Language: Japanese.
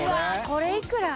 これいくら？